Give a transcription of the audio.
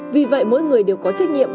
vì vậy mỗi người đều có trách nhiệm